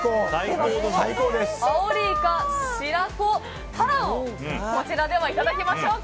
アオリイカ、白子、タラをこちらではいただきましょうか。